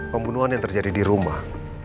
pembunuhan yang terjadi di rumah